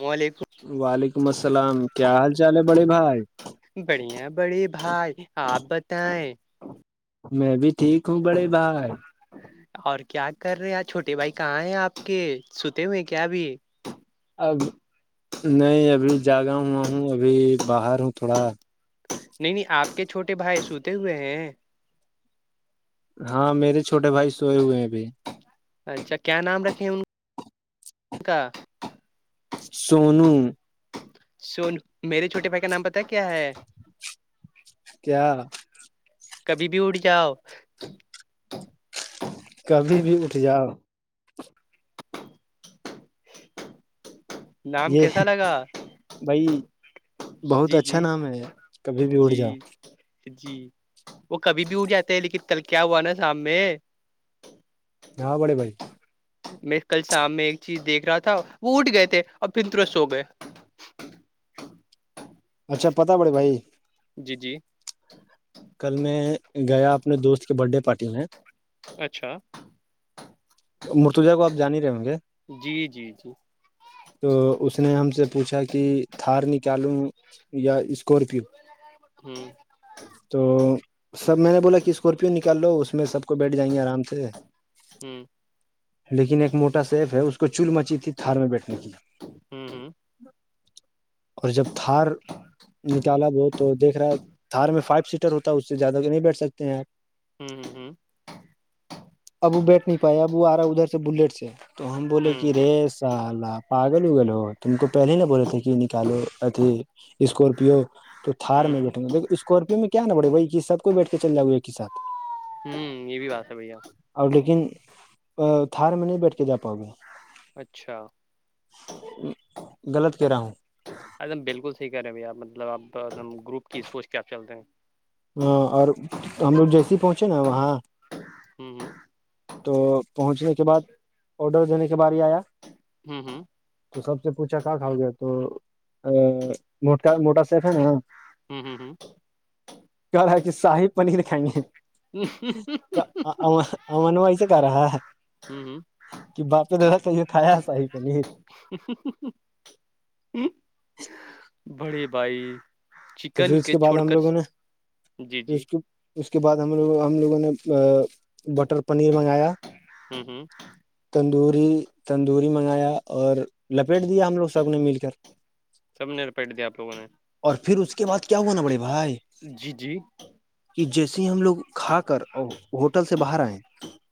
وعلیکم وعلیکم السلام کیا حال چال ہے بڑے بھائی بڑھیا بڑی بھائی آپ بتیں میں بھی ٹھیک ہوں بڑے بھائی اور کیا کر رہے چھوٹے بھائی کہاں ہیں آپ کے سوتے ہوئے کیا اب اب نہیں ابھی جاگا ہوا ہوں ابھی باہر ہوں تھوڑا نہیں نہیں آپ کے چھوٹے بھائی سوتے ہوئے ہیں ہاں میرے چھوٹے بھائی سوئے ہوئے ہیں ابھی اچھا کیا نام رکھیں ان کا سونو سونو میرے چھوٹے بھائی کا نام پتا ہے کیا ہے کیا کبھی بھی اڑ جاؤ کبھی بھی اٹھ جاؤ نام یہ کیسا لگا بھائی بہت جی اچھا جی نام ہے کبھی بھی اڑ جاؤ جی جی وہ کبھی بھی اٹھ جاتے ہیں لیکن کل کیا ہوا نا شام میں ہاں بڑے بھائی میں کل شام میں ایک چیز دیکھ رہا تھا وہ اٹھ گئے تھے اور پھر تورنت سو گئے اچھا پتا بڑے بھائی جی جی کل میں گیا اپنے دوست کے برتھ ڈے پارٹی میں اچھا مرتوجہ کو آپ جانی ہی رہیں ہوں گے جی جی جی تو اس نے ہم سے پوچھا کہ تھار نکالوں یا اسکورپیو ہوں تو سب میں نے بولا کہ اسکارپیو نکال لو اس میں سب کو بیٹھ جائیں گے آرام سے ہوں لیکن ایک موٹا سیف ہے اس کو چول مچی تھی تھار میں بیٹھنے کی ہ ہ اور جب تھار نکالا بہت تو دیکھ رہا ہے تھار میں فائیو سیٹر ہوتا ہے اس سے زیادہ نہیں بیٹھ سکتے ہیں آپ ہوں ہوں ہوں ابو بیٹھ نہیں پاائے اب وہ آ رہا ہے ادھر سے بلیٹ سے تو ہم بولے ہوں کہ ریس ال پاگل اگل ہو تم کو پہلے ہی نہ بولے تھے کہ نکالو اتیھی اسکورپیو تو تھار ہوں میں ہوں بیٹھیں گے ل اسکارپیو میں کیا نہ بڑے گ ب سب کو ب بیٹھ چ جا ہے ایک ہی سھ ہوں یہ بھی بات ہے بھ آپ اور لیکن تھار میں نہیں بیٹھ کے جا پاؤ گے اچھا غلط کہہ رہا ہوں ایک دم بالکل صحیح کر رہے ہیں بھیا مطلب آپ ایکم گروپ کی سوچ کیا آپ چلتے ہیں ہاں اور ہم لوگ جیس پہنچے نا وہاں ہوں ہ تو پہنچنے کے بعد آڈر دینے کے بار ہی آیا ہوں ہوں تو سب سے پوچھا کہ کھاؤ گے تو م موٹر سیف ہے نا ہوں ہ ہوں ک کہ شاہی پنیر کھائیں گے ہ من وائ سے کارا ہوں ہوں کہ باپے دادا ص یہ کھیا صا ہی پنیر [inaudible] بڑی بھائی تو پھر چکن اس کے بعد چھوڑ ہم کر لوگوں جی نےھر جی اس کی اس کے بعد ہم لوگ ہم لوگوں نے بٹر پنیر منگایا ہ ہ [unintelligible] تندوری تندوری منگایا اور لپیٹ دیا ہم لوگ سب نے مل کر سب نے رپیٹ دیا آپ لوگوں نے اور پھر اس کے بعد کیا ہوا نا بڑے بھائی جی جی کہ جیسے ہی ہم لوگ کھا کر ہوٹل سے باہر آئے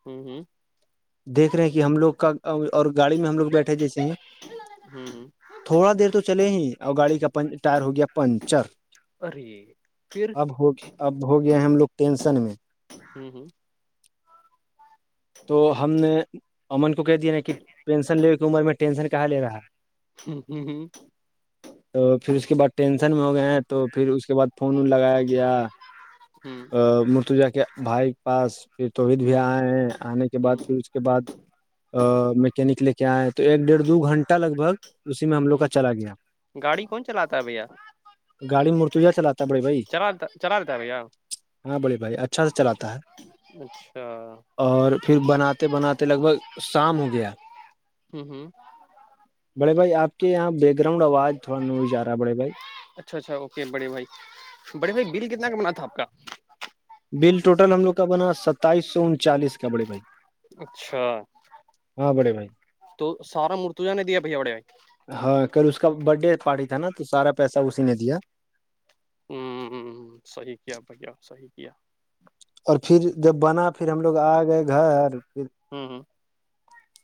ہوں ہوں دیکھ رہے ہیں کہ ہم لوگ کا اور گاڑی میں ہم لوگ بیٹھے جیسے ہیں ہوں ہوں تھوڑا دیر تو چلے ہی اور گاڑی کا ٹائر ہو گیا پنچر ارے پھر اب ہو اب ہو گیا ہم لوگ ٹینسن میں ہوں ہوں تو ہم نے امن کو کہہ دیا نا کہ پینسن لینے کی عمر میں ٹینسن کہاں لے رہا ہے ہوں ہوں ہ تو پھر اس کے بعد ٹینشن میں ہو گئے ہیں تو پھر اس کے بعد فون وون لگایا گیا ہوں ا مرتوجا کے بھائی کے پاس پھر توہید بھی ہوں آئے آنے کے بعد ہوں پھر اس کے بعد میکینک لے کے آئے تو ایک ڈیڑھ دو گھنٹہ لگ بھگ اسی میں ہم لوگ ہوں کا چلا گیا گاڑی کون چلاتا ہے بھیا گاڑ مرتو جائے چلا چرتا چر دیتا ہے بھیا ہاں بڑے بھائی اچھا سے چلاتا ہے اچھا اور پھر بنات بناتے لگ بھگ شام ہو گیا ہوں ہوں بڑے بھائی آپ کے یہاں بیک گراؤنڈ آواز تھوڑا نہیں ہی جا رہا ہے بڑے بھائی اچھا اچھا اوکے بڑے بھائی بڑے بھائی بل کتنا کا منناا تھا آپ کا بل ٹوٹل ہم لوگ کا بنا ستائیس سو انچالیس کا بڑے بھائی اچھا ہاں بڑے بھائی تو سارا مرتوجا نے دیا بھ بڑے ہاں کل اس کا برتھ ڈے پارٹی تھا نا تو سارا پیسہ اسی نے دیا ہوں، صحیح کیا بھیا صحیح کیا اور پھر جب بنا پھر ہم لوگ آ گئے گھر پھر ہوں ہوں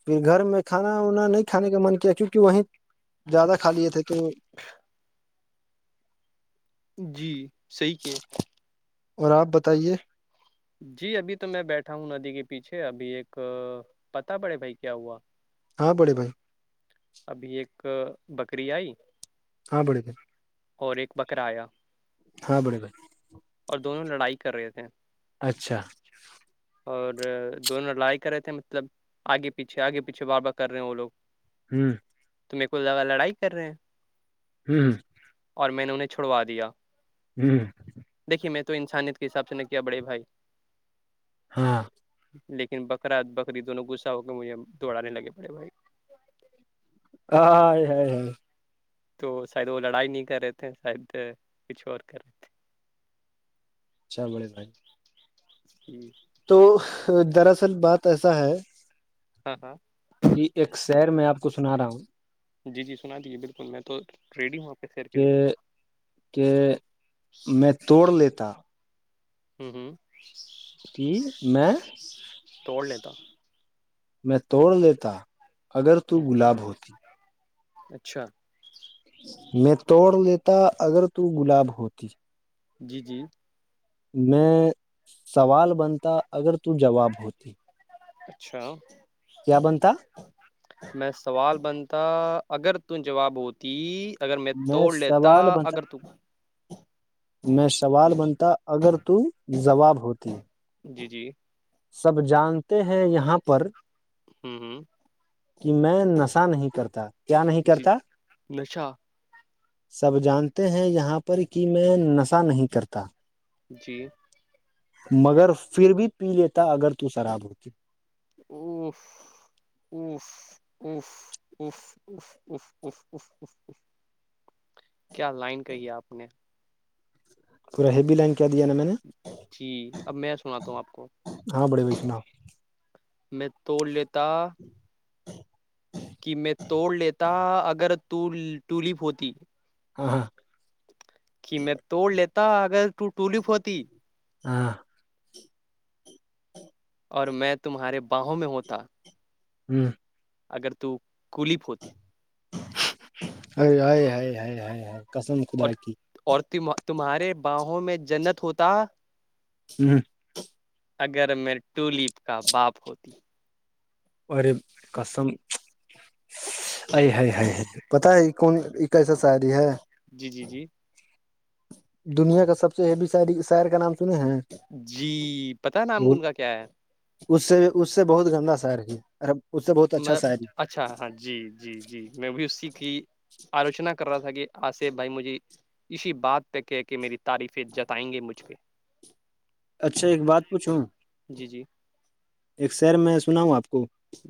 پھر گھر میں کھا وا نہیں کھانے کا من کیا کیوںکہ وہیں زیادہ کھا لیے تھے تو جی صحیح کی اور آپ بتائیے جی ابھی تو میں بیٹھا ہوں ندی کے پیچھے ابھی ایک پت پڑے بھائی کیا ہوا ہاں بڑے بھائی ابھی ایک بکری آئی ہاں بڑھ گ اور ایک بکرایا ہاں بڑے بھائی اور دونوں لڑائی کر رہے تھے اچھا اور دونوں لڑائی کر رہے تھے مطلب آگے پیچھے آگے پیچھے وابا کر رہے ہیں وہ لوگ ہوں تو میرے کو زگہ لڑائی کر رہے ہیں ہوں ہ اور میں نے انہیں چھوڑوا دیا جی دیکے میں تو انسانیت کے حساب سے نہ کیا بڑے بھائی ہاں لیکن بکرا بکری دونوں غصہ ہو کے مجھے دوڑانے لگے پڑے بھائی ہ ہے تو شاید وہ لڑائی نہیں کر رہے تھے شاید کچھ اور کر رہے تھے چ بڑے بھائی جوں تو دراصل بات ایسا ہے ہاں ہاں کہ ایک شہر میں آپ کو سنا رہا ہوں جی جی سنا دیجیے بالکل میں تو ریڈی ہوں آپ کے شیر کے کہ لیے کہ میں توڑ لیتا ہوں ہوں کی میں توڑ لیتا میں توڑ لیتا اگر تو ہوں ہوں گلاب ہوتی اچھا میں توڑ لیتا اگر تو گلاب ہوتی جی جی میں سوال بنتا اگر تو جواب ہوتی اچھا کیا بنتا میں سوال بنتا اگر تو جواب ہو ت اگر میں توڑ لیتا سوال بنتا اگر ت میں سوال بنتا اگر تو جوواب ہوتی جی جی سب جانتے ہیں یہاں پر ہوں ہوں کہ میں نشہ نہیں کرتا کیا نہیں کرتا پیچھا سب جانتے ہیں یہاں پر کہ میں نشہ نہیں کرتا جی مگر پھر بھی پی لیتا اگر تو شراب ہوتی او ا اس اس اس کیا لائن کہی ہے آپ نے پورا ہیوی لائن کیا دیا نا میں نے جی اب میں سناتا ہوں آپ کو ہاں بڑے بھائی سناؤ میں توڑ لیتا کہ میں توڑ لیتا اگر تو ٹولپ ہوتی ہا کہ میں توڑ لیتا اگر تو ٹولف ہوتی ہاں اور میں تمہارے باہوں میں ہوتا ہوں اگر تو کولیپ ہوتی ہائے ہائے ہائے ہائے ہائے قسم خدا اور کی اور تم تمہارے باہوں میں جنت ہوتا ہوں اگر میں ٹولپ کا باپ ہوتی اور کسم ہے پتا ہے یہ کون یہ کیسا ساڑی ہے جی جی جی دنیا کا سب سے ہیوی ش شہر کا نام سنے ہیں جی پتا نام وہ ان کا کیا ہے اس سے اس سے بہت گندا سر ہے اس سے بہت اچھا مطلب شاعری اچھ اچھا ہاں جی جی جی میں بھی اسی کی آلوچنا کر رہا تھا کہ آ سے بھائی مجھے اسی بات پہ کہہ کے میری تعریفیں جتائیں گے مجھ پہ اچھا ایک بات پوچھوں جی جی ایک سیر میں سنا ہوں آپ کو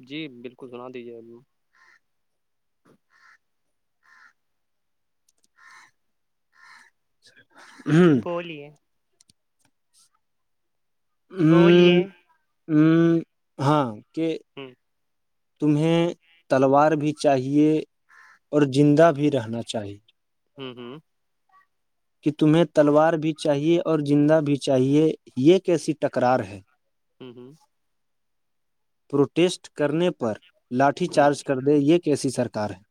جی بالکل سنا دیجیے ابھی ہوں بولیے بولیے ہوں ہاں کہ ہ تمہیں تلوار بھی چاہیے اور زندہ بھی رہنا چاہیے ہوں ہوں کہ تمہیں تلوار بھی چاہیے اور زندہ بھی چاہیے یہ کیسی ٹکرار ہے ہوں ہوں پروٹیسٹ کرنے پر لاٹھی چارج کر دے یہ کیسی سرار ہے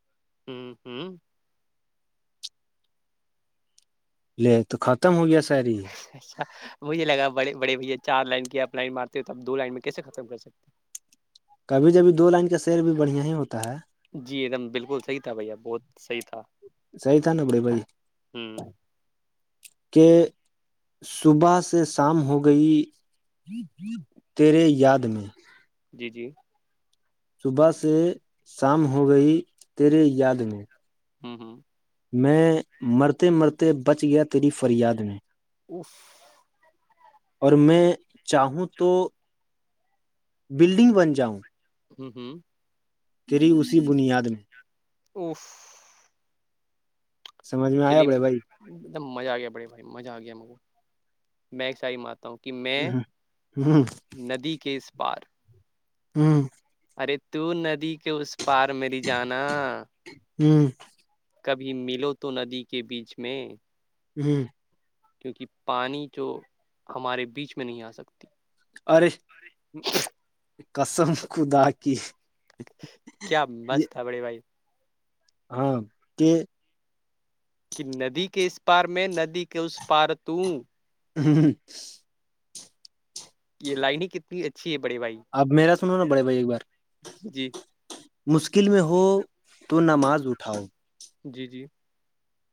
ہوں ہوں پلی تو ختم ہوگیا اچھا مجھے لگا بے بڑے بھیا چار لائن کیپ لائن مارتے ہو توپ دو لائن میں کیسے ختم کر سکتے ہیں کبھی جبھی دو لائن کا سیر بھی بڑھیا ہی ہوتا ہے جی ایک دم بالکل صحیح تھا بھیا بہت صحیح تھا سہی تھا نا بھڈے بھائی ہ کہ صبح سے شام ہو گئی تیرے یاد میں جی جی صبح سے شام ہو گئی تیرے یاد میں ہوں ہوں میں مرتے مرتے بچ گیا تیری فریاد میں اف اور میں چاہوں تو بلڈنگ بن جاؤں ہوں ہوں تیری اسی بنیاد میں اف سمجھ میں آیا چلیے بھڑے بھائی ایک دم مزہ آ گیا بڑے بھائی مزہ آ گیا م کو میں ایک سکینڈ ہی مار اتا ہوں کہ میں ہ ندی کے اس پار ہوں ارے تو ندی کے اس پار میری جانا ہوں کبھی ملو تو ندی کے بیچ میں ہوں کیونکہ پانی جو ہمارے بیچ میں نہیں آ سکتی ارے قسم خدا کی کیا یہ مست تھا بھڈے بھائی ہاں کہ کہ ندی کے اس پار میں ندی کے اس پار تو ہ ہ یہ لائنگ کتنی اچھی ہے بڑے بھائی اب میرا سنو نا بڑے بھائی ایک بار جی مشکل میں ہو تو نماز اٹھاؤ جی جی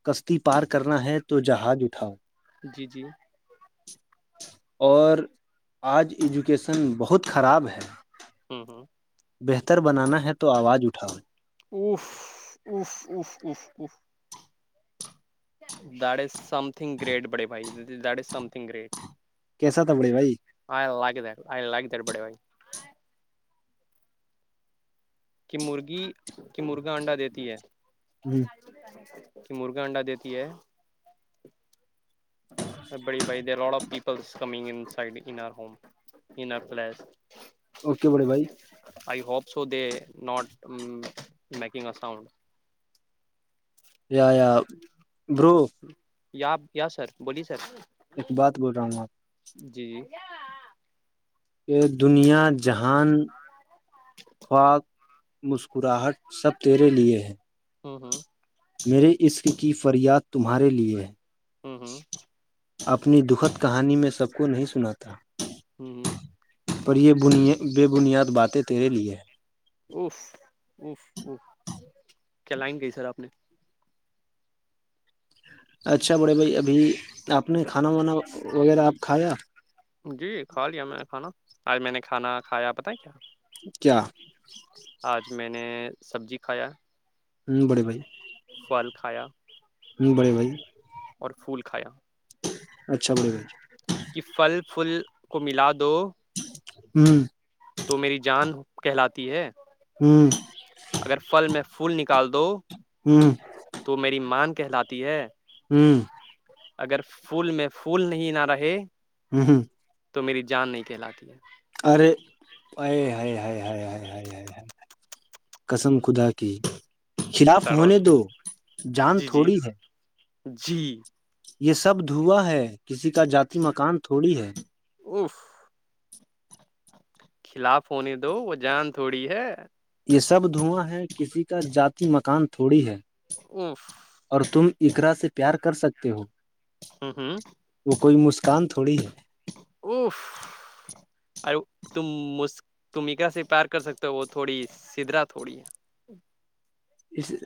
کشتی پار کرنا ہے تو جہاز اٹھاؤ جی جی اور آج ایجوکیشن بہت خراب ہے ہ ہ بہتر بنانا ہے تو آواز اٹھاؤ اف اف اف اف اف that is something great بڑے بھائی دٹز سم تھنگ گریٹ کیسا تھا بڑے بھائی I like that I like that بڑے بھائی کہ مرغی کہ مرغا انڈا دیتی ہے ہ کہ مرغا انڈا دیتی ہے بڑی بھائی there lot up P coming inside in اور home in are place okay بڑے بھائی I hope so they not making a sound yeah yeah bro yeah یا سر بولے سر ایک بات بول رہا ہوں آپ جی کہ دنیا جہان خواک مسکراہٹ سب تیرے لیے ہے ہوں ہوں میرے عشق کی فریاد تمہارے لیے ہے ہوں ہوں اپنی دخد کہانی میں سب کو نہیں سناتا ہوں ہ پر یہ بنیا بے بنیاد باتیں تیرے لیے ہے اوف اوف اوف کیا لائیں گئی سر آپ نے اچھا بڑے بھائی ابھی آپ نے کھانا وانا وغیرہ آپ کھایا جی کھا لیا میں نے کھانا آج میں نے کھانا کھایا بت ہے کیا کیا آج میں نے سبزی کھایا ہوں بڑی بائی پھل کھایا بڑے بھائی اور پھول کھایا اچھا بڑے بھائی کہ پھل پھل کو ملا دو ہوں تو میری جان کہلاتی ہے ہوں اگر پھل میں پھول نکال دو ہوں تو میری مان کہلاتی ہے ہوں اگر پھول میں پھول نہیں نہ رہے ہوں ہوں تو میری جان نہیں کہلاتی ہے ارے قسم خدا کی خلاف تڑوس ہونے گ دو جان جی جی تھوڑی ہے جی یہ سب دھواں ہے کسی کا جات مکان تھوڑی ہے اف خلاف ہونے دو وہ جان تھوڑی ہے یہ سب دھواں ہے کسی کا جات مکان تھوڑی ہے اف اور تم اقرا سے پیار کر سکتے ہو ہوں ہوں وہ کوئی مسکان تھوڑی ہے اف ارے تم تم ایکا سے پیار کر سکتے ہو وہ تھوڑی سدھرا تھوڑی ہے اس